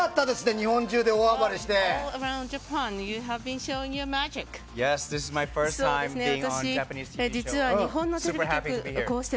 日本中で大暴れして。